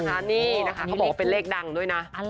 อันนี้หัวเป็นเลขดังด้วยน่ะ